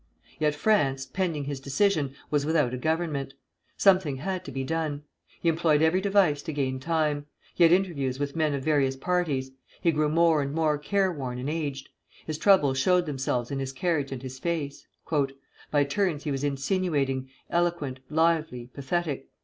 Yet France, pending his decision, was without a government. Something had to be done. He employed every device to gain time. He had interviews with men of various parties. He grew more and more care worn and aged. His troubles showed themselves in his carriage and his face. "By turns he was insinuating, eloquent, lively, pathetic.